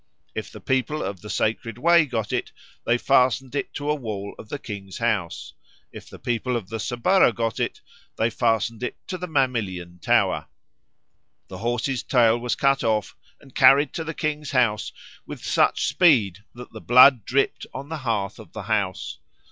If the people of the Sacred Way got it, they fastened it to a wall of the king's house; if the people of the Subura got it, they fastened it to the Mamilian tower. The horse's tail was cut off and carried to the king's house with such speed that the blood dripped on the hearth of the house.